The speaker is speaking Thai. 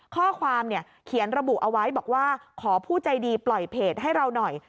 ข้อความเนี่ยเขียนระบุเอาไว้บอกว่าขอผู้ใจดีปล่อยเพจให้เราหน่อย